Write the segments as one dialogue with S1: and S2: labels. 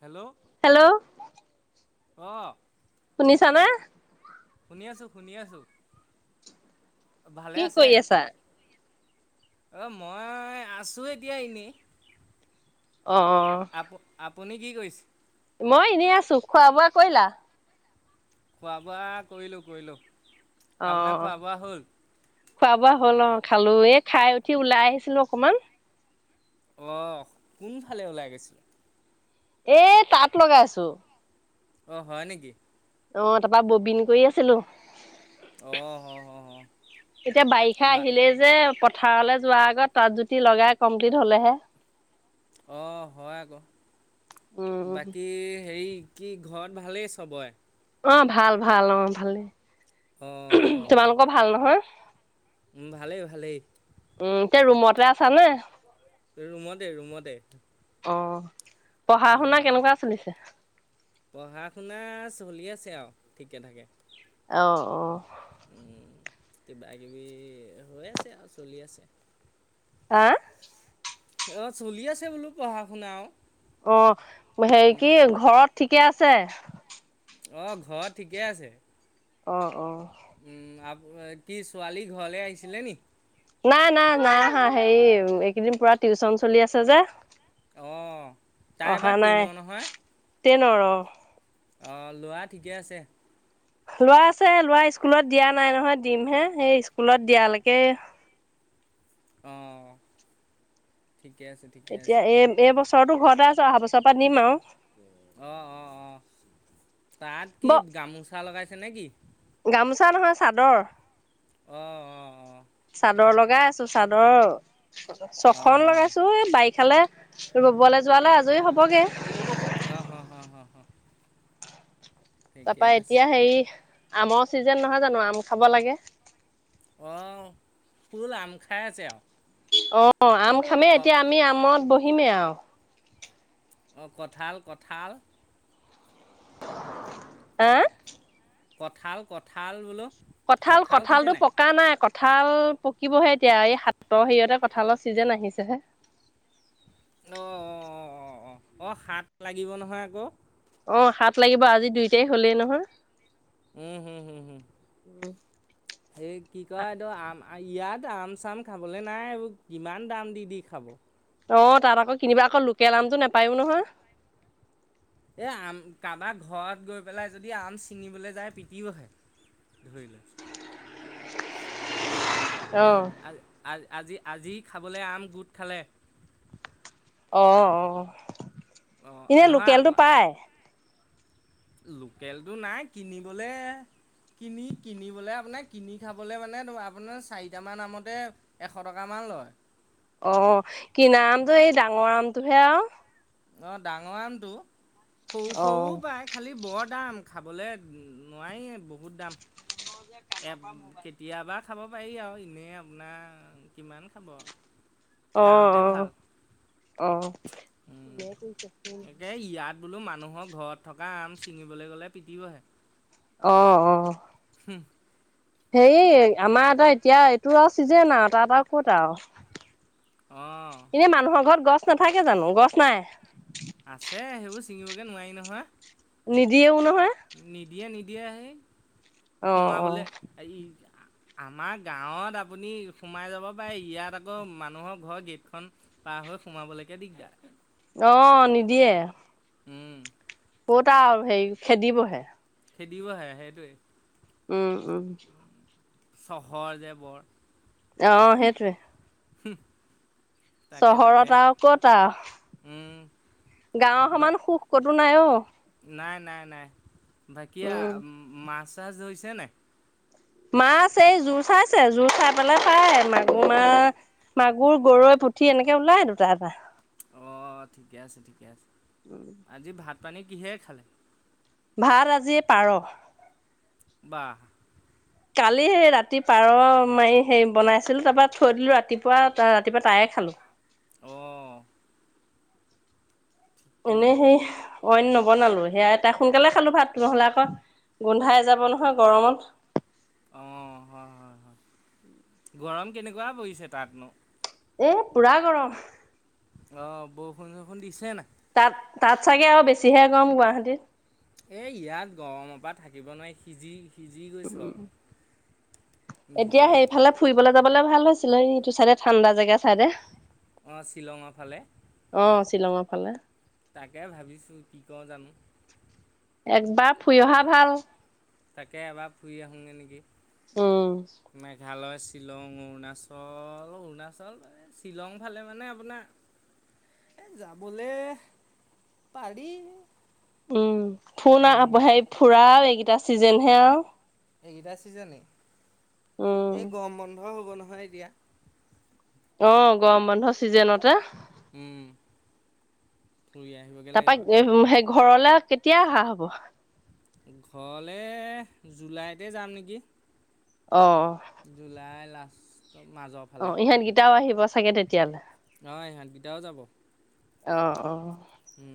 S1: Hello
S2: hello
S1: অঁ
S2: শুনিছানে?
S1: শুনি আছো, শুনি আছো।
S2: কি কৰি আছা?
S1: অ', মই আছো এতিয়া এনেই।
S2: অহ ',
S1: আপ আপুনি কি কৰিছে?
S2: মই এনেই আছো, খোৱা- বোৱা কৰিলা?
S1: খোৱা- বোৱা কৰিলো, কৰিলো।
S2: অ
S1: আপোনাৰ খোৱা- বোৱা হ'ল?
S2: খোৱা- বোৱা হ'ল অ', খালো এ ', খাই উঠি ওলাই আহিছিলো অকমান।
S1: অহ', কোনফালে ওলাই গৈছিলে?
S2: এ', তাত লগাইচো।
S1: অ', হয় নেকি?
S2: অ', তাৰপা ববিন কৰি আছিলো।
S1: অঁ হ হ হ
S2: এতিয়া বাৰিষা
S1: বা
S2: আহিলে যে পত, পথাৰলৈ যোৱাৰ আগত তাত জুতি লগাই কমপ্লিট হলেহে।
S1: অ', হয় আকৌ।
S2: উম
S1: বাকী হেৰি, কি ঘৰত ভালেই চবৰে?
S2: অহ ', ভাল- ভাল, অহ ', ভালে। তোমালোকৰ ভাল নহয়?
S1: উম', ভালেই- ভালেই।
S2: উম', এতিয়া ৰুমতে আছা নে?
S1: ৰুমতে- ৰুমতে।
S2: অ', পঢ়া- শুনা কেনেকুৱা চলিছে?
S1: পঢ়া -শুনা চলি আছে আৰু ঠিকে থাকে।
S2: আও ', অ,
S1: কিবা -কিবি হৈ আছে আৰু চলি আছে।
S2: আহ',
S1: অ', চলি আছে বোলো পঢ়া -শুনা আৰু।
S2: অ ', হেৰি কি
S1: উম।
S2: ঘৰত ঠিক, কে আছে?
S1: অহ ', ঘৰত ঠিকে আছে।
S2: অ -অ
S1: উম', আপ, কি ছোৱালী ঘৰলে আহিছিলে নি?
S2: নাই- নাই -নাই অহা', হেৰি এইকেইদিন পুৰা টিউচন চলি আছে যে।
S1: অহ ', তাই বা টেনৰ নহয়?
S2: তেনৰ অহ ',।
S1: অ', লোৱা ঠিকে আছে।
S2: লৰা আছে, লৰা স্কুলত দিয়া নাই নহয় দিম হে সেই স্কুলত দিয়ালৈকে,
S1: অহ ',
S2: এতিয়া এই এই বছৰতো ঘৰতে আছ ট অহা বছৰ পৰা দিম আৰু
S1: অ অ অ তাত
S2: ব
S1: কি গামোচা লগাইছে ছেনে কি
S2: গামোচা নহয় চাদৰ
S1: আহ আহ আহ
S2: চাদৰ লগাই আছো চাদৰ
S1: অঁ
S2: ছখন
S1: হ হ
S2: লগাইছো এই বাৰিষালে ত ৰুবলে যোৱালে আজৰি হ'বগে
S1: আহ হ হ হ হ ঠিকে
S2: তাপা
S1: আছে।
S2: এতিয়া হেৰি আমৰ চিজন নহয় জানো আম খাব লাগে
S1: আহ ফুল আম খাই আছে আৱ
S2: অ অ আম খামে এতিয়া আমি আমত বহি বহিমে আৱ
S1: অঁ কঁঠাল কঁঠাল
S2: হা
S1: কঁঠাল কঁঠাল বোলো
S2: কঁঠাল কঁঠালটো পকা নাই কঁঠ কঁঠাল পকিবহে এতিয়া এই হাতৰ হেৰিয়তে কঁঠালৰ চিজেন আহিছেহে
S1: অ অ অ অ অ অ হাত লাগিব নহয় আকৌ
S2: অ হাত লাগিব আজি দুই তাৰিখ হ'লেই নহয়
S1: um home home home
S2: um
S1: এই কি কয় এইটো আম ইয়াত আম চাম খাবলৈ নাই এইবোৰ কিমান দাম দি দি খাব
S2: অ তাত আকৌ কিনিবা আকৌ লোকেল আমটো নেপায়ো নহয়
S1: এ আম কাৰবাৰ ঘৰত গৈ পেলাই যদি আম ছিঙিবলে যায় পিটিবহে ধৰি লৈছোঁ
S2: অ
S1: [unintelligible] আ আ আজি আজি খাবলে আম গোট খালে
S2: অ' অ'হ
S1: অঁ
S2: এনে লোকেলটো পায়
S1: লোকেল টো নাই কিনিবলে কিনি কিনিবলে আপোনাৰ কিনি খাবলে মানে আপোনাৰ চাৰিটামান আমতে এশ টকামান লয়
S2: অ কিনা আমটো এই ডাঙৰ আমটোহে আৱ
S1: অ ডাঙৰ আমটো সৰু
S2: অ
S1: সৰু পায় খালি বৰ দাম খাবলে নোৱাৰিয়ে বহুত দাম এ কেতিয়াবা খাব পাৰি আৰু এনেই আপোনাৰ কিমান খাব গাঁৱতে ভাল
S2: অ' অ'
S1: উম একে ইয়াত
S2: অ'
S1: বোলো মানুহৰ ঘৰত থকা আম ছিঙিবলৈ গ'লে পিটিবহে।
S2: অ' অ'
S1: উম
S2: হেৰি আমাৰ এটা এতিয়া এইটোৰ আৰু চিজন আৰু তাতাত আৰু ক'ত
S1: অঁ
S2: আৰু এনে মানুহৰ ঘৰত গছ গ নাথাকে জানো গছ নাই।
S1: আছে সেইবোৰ ছিঙিবগে নোৱাৰি নহয়।
S2: নিদিয়েও নহয়।
S1: নিদিয়ে নিদিয়ে হে
S2: অ
S1: সোমা
S2: অ
S1: বোলে ই আমাৰ গাঁৱত আপুনি সোমাই যাব পাৰে ইয়াত আকৌ মানুহৰ ঘৰ গেটখন পাৰ হৈ সোমাবলৈকে দিগদাৰ।
S2: অ নিদিয়ে।
S1: উম।
S2: কতা আৰু হেৰি খেদিবহে।
S1: খেদিব আহে সেইটোৱে।
S2: উম উম।
S1: চহৰ যে বৰ।
S2: অ সেইটোৱে।
S1: হুহ তাকে
S2: চহৰত
S1: তাকে
S2: আৰু ক'ত আৰু
S1: উম
S2: গাঁৱৰ
S1: বা
S2: সমান সুখ ক'তো নাই অ
S1: নাই নাই নাই ভাকিয়া
S2: উম
S1: মাছ। ক্লাছ হৈছে নাই।
S2: মাছ এই জোৰ চাইছে জোৰ চাই পেলাই চাই মাগুৰ মা মাগুৰ গৰৈ পুঠি এনেকে ওলাই দুটা এটা।
S1: অ', ঠিকে আছে, ঠিকে আছে, আজি ভাত পানী কিহে খালে?
S2: ভাত আজি পাৰ'।
S1: বাঃ।
S2: কালি সেই ৰাতি পাৰ' মাৰি হে বনাইছিল, তাৰপা থৈ দিলো ৰাতিপুৱা ৰাতিপুৱা তাৰেই খালো।
S1: অঁ। কি
S2: এনেই সেই অইন নবনালো, সেয়া তা সোনকালে খালো ভাত, নহ'লে আকৌ গোন্ধাই যাব নহয় গৰমত।
S1: অ' হয়, হয়, হয়, গৰম কেনেকুৱা পৰিছে তাতনো?
S2: এ পোৰা গৰম।
S1: অ' বৰষুণ চৰষুণ দিছে নাই?
S2: তাত তাত চাগে আৰু বেছিহে গৰম গুৱাহাটীত।
S1: এ ইয়াত গৰমৰ পৰা থাকিব নোৱাৰি, সিজি সিজি গৈছোঁ আৰু।
S2: এতিয়া
S1: ভিতৰে ভিতৰে
S2: সেইফালে ফুৰিবলৈ যাবলে ভাল হৈছিলে, এইটো চাইডে ঠাণ্ডা জেগা চাইডে।
S1: অ শ্বিলঙৰ ফালে
S2: অ শ্বিলঙৰ ফালে
S1: তাকে ভাবিছো কি কও জানো
S2: একবাৰ ফুৰি অহা ভাল।
S1: তাকে এবাৰ ফুৰি আহোগে নেকি। মেঘালয়,
S2: অ'
S1: শ্বিলং অৰুণাচল অৰুণাচল শ্বিলং ফালে মানে আপোনাৰ এ যাবলে পাৰি
S2: উম ফুন আ
S1: উম
S2: সেই ফুৰাও এ এইকেইটা ছিজনেহে আও
S1: এইকেইটা চিজনেই।
S2: উম।
S1: এই গৰম বন্ধ হল হ'ব নহয় এতিয়া
S2: অ' গৰম বন্ধ চিজেনতে।
S1: উম ফুৰি আহিবগৈ
S2: তাৰপা
S1: লাগিব এপাক
S2: সেই ঘৰলে কেতিয়া অহা হব?
S1: ঘৰলে জুলাইতে যাম নেকি
S2: অ
S1: জুলাই লাষ্ট।
S2: অ' ইহঁতকেইটাও আহিব চাগে তেতিয়ালে?
S1: অ ইহঁতকেইটাও যাব
S2: অ অ
S1: উম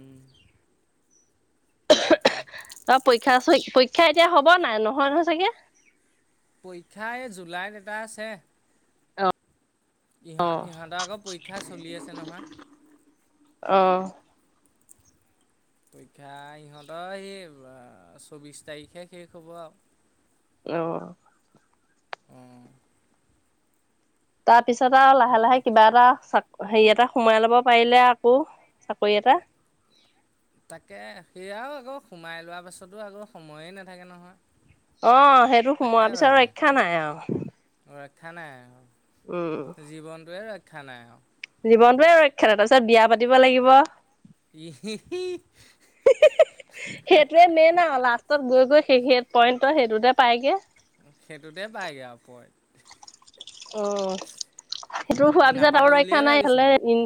S2: অহ অ তাৰ পৰীক্ষা আছই পই ক্ষা এতিয়া হ'ব নাই নহয়-নহয় চাগে।
S1: পৰীক্ষা এই জুলাইত এটা আছে
S2: অ
S1: ইহঁত
S2: অ
S1: ইহঁতৰ আকৌ পৰীক্ষা চলি আছে নহয়।
S2: অ
S1: পৰীক্ষা ইহঁতৰ এই চৌবিশ তাৰিখে শেষ হ'ব আৰু
S2: অ
S1: উ
S2: তাৰপিছত আৰু লাহে লাহে কিবা এটা চাক, হেৰি এটা সোমাই লব পাৰিলে আকৌ চাকৰি এটা
S1: তাকে সেয়াও আকৌ সোমাই লোৱা পাছতো আকৌ সময়ে নাথাকে নহয়।
S2: অহ', সেইটো
S1: তাকে
S2: সোমোৱা পিছত ৰক্ষা নাই আৰু
S1: ক্ষা নাই
S2: উম
S1: আৰু জীৱনটোয়ে ৰক্ষ ক্ষা নাই আও
S2: জীৱনটোৱে ৰক্ষা নাই, তাৰপিছত বিয়া পাতিব লাগিব। সেইটোৱে মেইন আৰু
S1: [unintelligible]
S2: লাষ্টত গৈ গৈ সেই হে পইণ্টৰ সেইটোতে পাইগে
S1: সেইটোতে পাইগে আৰু পইণ্ট
S2: অ', সেইটো হোৱা পিছত
S1: নাপাতো
S2: আৰু ৰক্ষা
S1: বুলিয়ে
S2: নাই
S1: ভাবিছোঁ
S2: ইফালে
S1: মই
S2: ইন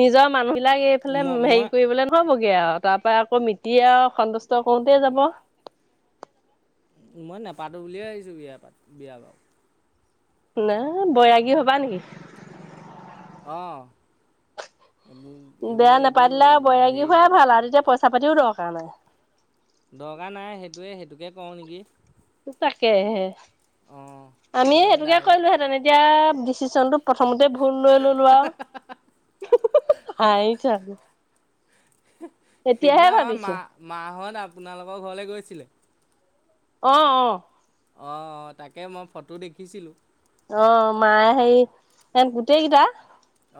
S2: নিজৰ মানুহ। লাক এইফালে
S1: ম মই
S2: হেৰি কৰিবলে নহ'ব গে গে আৰু তাৰ পৰা আকৌ মিতিয়ে আৰু সন্তুষ্ট কৰোতে যাব।
S1: মই নাপাতো বুলিয়ে ভাবিছোঁ বিয়াৰ পাত বিয়া বাৰু
S2: না বৈৰাগী হবা নেকি?
S1: অ',।
S2: বিয়া নাপাতিলে আৰু বৈৰাগী
S1: হেৰি
S2: হোৱাই ভাল আৰু তেতিয়া পইচা পা পাতিও দৰকাৰ নাই।
S1: তয়ে সেইটোকে কওঁ নেকি।
S2: তাকেহে
S1: অঁ
S2: আমিও
S1: একদম
S2: সেইটোকে
S1: ডাইৰেক্ট
S2: কৰিলো হেঁতেন, এতিয়া আৰু সুশান্ত প্ৰথমতে ভুল লৈ ললো আৰু হাঁহিছে আকৌ
S1: সেইদিনা আমাৰ মা-মা হত আপ আপোনালোকৰ ঘৰলে গৈছিলে?
S2: অ', অ',
S1: অ', তাকে মই ফটো দেখিছিলো
S2: অ', মায়ে হেৰি এত গোটেই কেইটা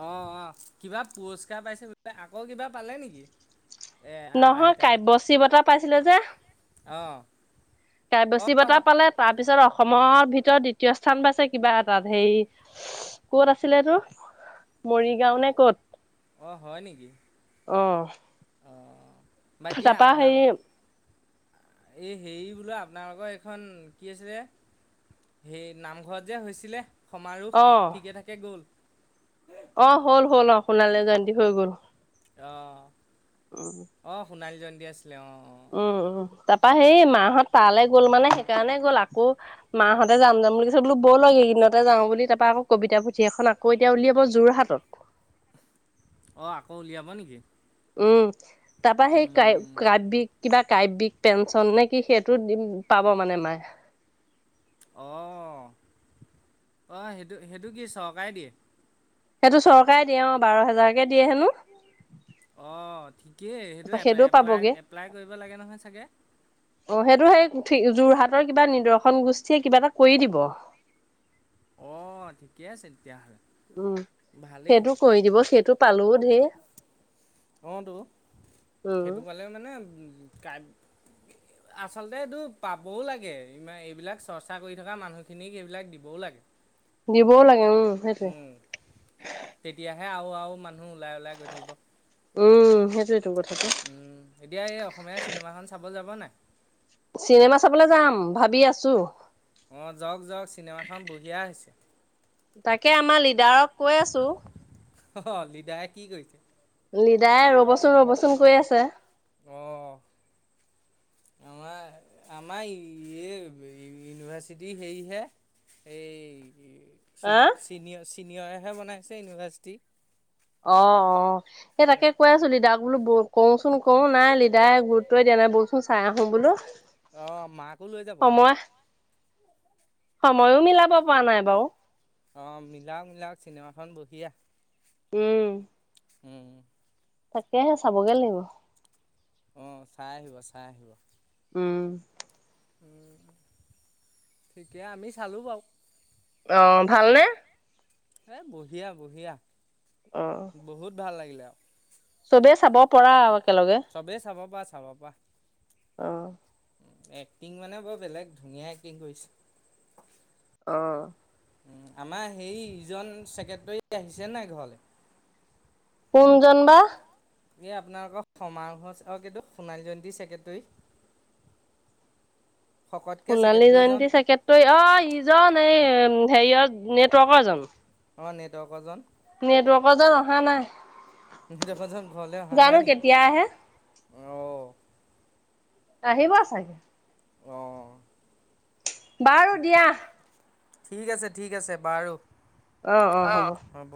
S1: অ', অ', কিবা পুৰস্কাৰ পাইছে বোলে, আকৌ কিবা পালে নেকি? এ
S2: নহয়
S1: আইতাই
S2: কাব্যশী বতাহ পাইছিলে যে
S1: অঁ
S2: বেছি
S1: অঁ
S2: বটা পালে তাৰপিছত অসমৰ ভিতৰত দ্বিতীয় স্থান পাইছে কিবা এটাত হেই কত আছিল তো মৰিগাঁও নে ক'ত
S1: অ হয় নেকি
S2: অ।
S1: অ বাকী
S2: তাৰপা
S1: আপোনাল
S2: হেৰি
S1: এই হেৰি বোলো আপোনালোকৰ এইখন কি আছিলে হে নামঘৰত যে হৈছিলে সমাৰোহ
S2: অ
S1: ঠিকে থাকে গ'ল
S2: অ হ'ল হ'ল অ সোণালী জয়ন্তী হৈ গ'ল
S1: অ
S2: উম
S1: অ সুণালী জন আছিলে অ
S2: উম উম তাপা সেই মাহঁত তালৈ গ'ল মানে সেইকাৰণে গ'ল আকৌ মাহঁতে যাম যাম বুলি কছে বো বৰ লেইদিনতে যাওঁ বুলি তাৰপা আকৌ কবিতা পুথি এখন আকৌ এতিয়া উলিয়াব যোৰহাটত
S1: অ আকৌ উলিয়াবা নেকি?
S2: উম তাৰপৰা সেই কা কাব্যিক কিবা কাব্যিক পেঞ্চন নে কি সেইটো দিম পাব মানে মায়ে
S1: অ অ সেইটো সেইটো কি চৰকাৰে দিয়ে
S2: সেইটো চৰকাৰে দিয়ে অ বাৰ হোজাৰকে দিয়ে হেনো
S1: অ ঠিকেই সেইটো
S2: তাৰপা সেইটোও
S1: এপ্লাই
S2: পাবগে
S1: এপ্লাই কৰিব লাগে নহয় চাগে
S2: অ সেইটো সেই উঠি যোৰহাটৰ কিবা নিদৰ্শন গোষ্ঠীয়ে কিবা এটা কৰি দিব
S1: অ ঠিকে আছে তেতিয়াহলে
S2: উম
S1: ভালেই
S2: সেইটো কৰি দিব সেইটো পালো ধেৰি
S1: অ তো সেইটো কৰালে মানে আচলতে এইটো পাবও লাগে ই এইবিলাক চৰ্চা কৰি থকা মানুহখিনিক সেইবিলাক দিবও লাগে।
S2: দিব লা উম সেইটো
S1: হে হে আৰু আৰু মানে মানুহ ওলাই ওলাই গৈ থাকিব
S2: সেইটো কথা
S1: উম এতিয়া এই অসমীয়া চিনেমা খন চাব যাব নাই।
S2: চিনেমা চাবলৈ যাম ভাবি আছো
S1: অ যাওক যাওক চিনেমাখন বঢ়িয়া হৈছে
S2: তাকে আমাৰ লিডাৰক কৈ আছো
S1: অ লিডাৰ কি কৰিছে
S2: লিডাই ৰ'বচোন ৰ'বচোন কৈ আছে
S1: অ আমাৰ আমাৰ ইউনিভাৰ্চিটি হেৰিহে এই
S2: অ
S1: চনিয় ছিনিয়ৰেহে বনাইছে ইউনিভাৰ্চিটি
S2: অ অ সেই তাকে কৈ আছ তাক বোলো ব কওঁচোন ক নাই লিডাৰ গুৰুত্বই দিয়া নাই বলচোন চাই আহো বোলো।
S1: আহ মাকো লৈ যাব
S2: সময় সময়ো মিলাব পৰা নাই বাৰু
S1: অ মিলাওক মিলাওক চিনেমাখন বহিয়ে
S2: উম
S1: উম
S2: তাকেহে চাবগে লাগিব।
S1: অ চাই আহিব চাই আহিব।
S2: উম
S1: ঠিকে আমি চালোঁ বাৰু
S2: অ ভালনে?
S1: এ বঢ়িয়া-বঢ়িয়া। বহুত ভাল লাগিলে। পা [unintelligible]
S2: চবে চাব পৰা আৰু একেলগে
S1: চবেই চাব পৰা আছে। চাবপৰা।
S2: অ',
S1: এক্টিং মানে বৰ বেলেগ ধুনীয়া এক্টিং কৰিছে।
S2: অহ',
S1: উম' আমাৰ হেৰি ইজন চেক্ৰেটৰী আহিছে নাই ঘৰলে।
S2: কোনজন বা?
S1: এই আপোনালোকৰ সমাৰো অ' কিটো সোণালী জয়ন্তী ছেকেটৰী।
S2: সোণালী জয়ন্তী চেকেটৰি অ' ইজন এই হেৰিয় নেটৱৰ্কৰ জন।
S1: অঁ নেটৱৰ্কৰজন।
S2: নেটৱৰ্কৰ জন অহা নাই।
S1: দেখজন ঘৰলে অহা
S2: জানো
S1: নাই নকি?
S2: কেতিয়া আহে
S1: অ'
S2: আহিব চাগে।
S1: অঁ',
S2: বাৰু দিয়া।
S1: ঠিক আছে, ঠিক আছে বাৰু।
S2: অ অ
S1: হ'ব।